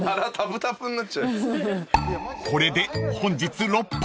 ［これで本日］